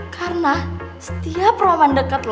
karena setiap romand deket lu